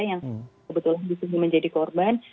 yang kebetulan disini menjadi korban